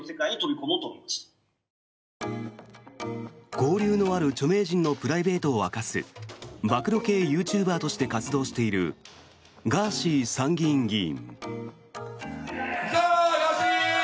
交流のある著名人のプライベートを明かす暴露系ユーチューバーとして活動しているガーシー参議院議員。